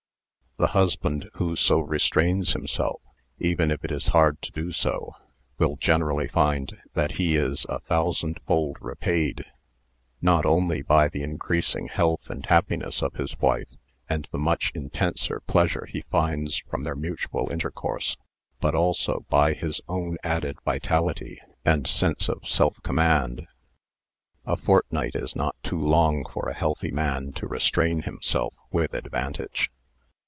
The husband who so restrains himself, even if it is hard to do it, will generally find that he is a thousand fold repaid not only by the increasing health and happiness of his wife, and the much in tenser pleasure he gains from their mutual intercourse, but also by his own added vitality and sense of self command. A fortnight is not too long for a healthy man to restrain himself with advantage.